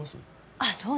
あっそうね。